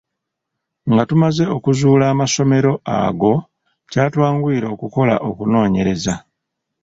Nga tumaze okuzuula amasomero ago, kyatwanguyira okukola okunoonyereza.